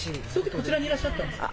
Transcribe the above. こちらにいらっしゃったんですか。